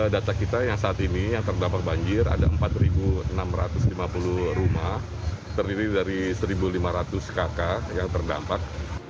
data kita yang saat ini yang terdampak banjir ada empat enam ratus lima puluh rumah terdiri dari satu lima ratus kakak yang terdampak